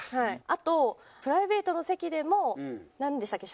あとプライベートの席でもなんでしたっけ？